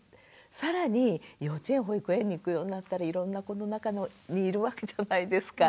更に幼稚園保育園に行くようになったらいろんな子の中にいるわけじゃないですか。